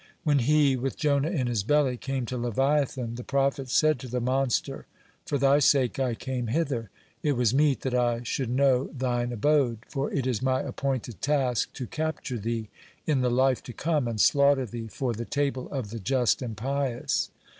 When he, with Jonah in his belly, came to leviathan, the prophet said to the monster: "For thy sake I came hither. It was meet that I should know thine abode, for it is my appointed task to capture thee in the life to come and slaughter thee for the table of the just and pious."